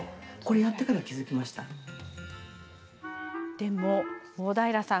でも大平さん